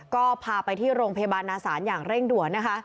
ก็พาไปที่โรงพยาบาลนาศาลอย่างเร่งด่วนนะคะ